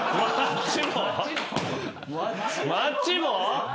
マッチ棒！？